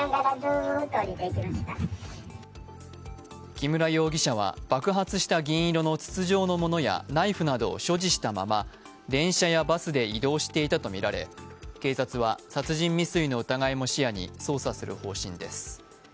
木村容疑者は爆発した銀色の筒状のものやナイフなどを所持したまま電車やバスで移動していたとみられ警察は殺人未遂の疑いも視野に捜査する方針です。